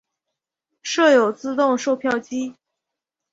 设有自动售票机。